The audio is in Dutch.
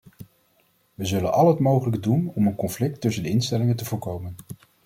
We zullen al het mogelijke doen om een conflict tussen de instellingen te voorkomen.